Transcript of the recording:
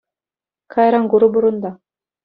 Кайран курӑпӑр унта.